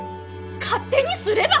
勝手にすれば！